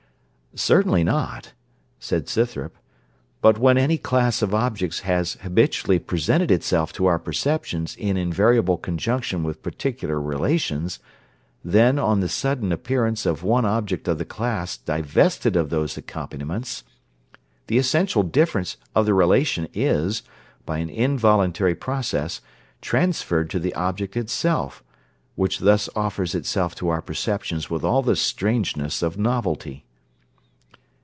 'Certainly not,' said Scythrop; 'but when any class of objects has habitually presented itself to our perceptions in invariable conjunction with particular relations, then, on the sudden appearance of one object of the class divested of those accompaniments, the essential difference of the relation is, by an involuntary process, transferred to the object itself, which thus offers itself to our perceptions with all the strangeness of novelty.'